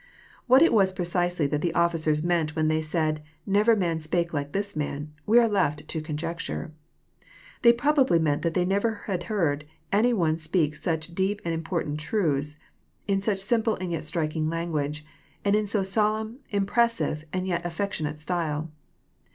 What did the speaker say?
What it was precisely that the officers meant when they said << Never man spake like this man," we are left to conjecture. They probably meant that they had never heard any one speak such deep and important truths — in such simple and yet striking language — and in so solemn, impressive, and yet afflectlonate style.